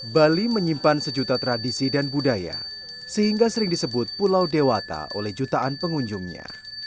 bali menyimpan sejuta tradisi dan budaya sehingga sering disebut pulau dewata oleh jutaan pengunjungnya